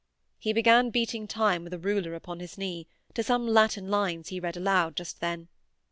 He began beating time with a ruler upon his knee, to some Latin lines he read aloud just then.